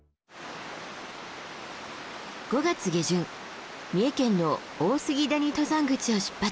５月下旬三重県の大杉谷登山口を出発。